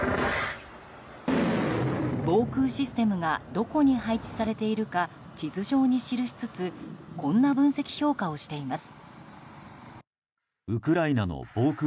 防空システムがどこに配置されているか地図上に記しつつこんな分析評価をしています。